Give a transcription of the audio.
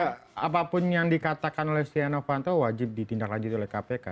ya apapun yang dikatakan oleh setia novanto wajib ditindaklanjuti oleh kpk